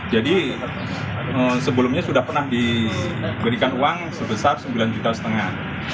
jadi sebelumnya sudah pernah diberikan uang sebesar sembilan juta setengah